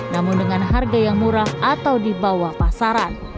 namun dengan harga yang murah atau di bawah pasaran